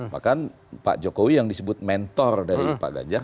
bahkan pak jokowi yang disebut mentor dari pak ganjar